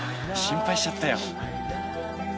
心配しちゃったよ。